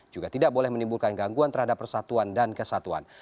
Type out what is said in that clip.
juga tidak boleh menimbulkan gangguan terhadap persatuan dan kesatuan